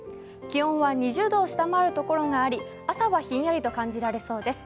気温は２０度を下回るところがあり、朝はひんやりと感じられそうです。